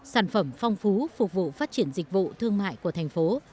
sản phẩm phong phú phục vụ phát triển dịch vụ thương mại của thành phố